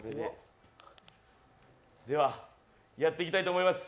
では、やっていきたいと思います。